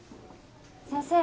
先生。